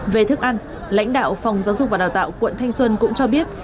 về thức ăn lãnh đạo phòng giáo dục và đào tạo quận thanh xuân cũng cho biết